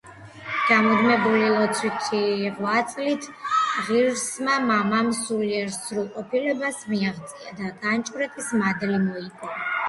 გამუდმებული ლოცვითი ღვაწლით ღირსმა მამამ სულიერ სრულყოფილებას მიაღწია და განჭვრეტის მადლი მოიგო.